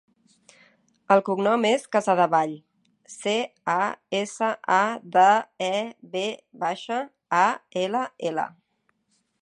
El cognom és Casadevall: ce, a, essa, a, de, e, ve baixa, a, ela, ela.